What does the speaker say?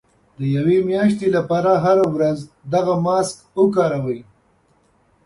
د يوې مياشتې لپاره هره ورځ دغه ماسک وکاروئ.